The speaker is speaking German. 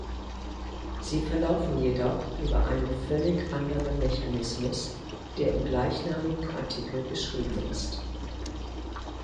Sie verlaufen jedoch über einen völlig anderen Mechanismus, der im gleichnamigen Artikel beschrieben ist.